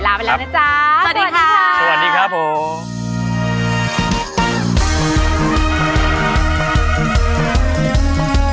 ไปแล้วนะจ๊ะสวัสดีค่ะสวัสดีครับผม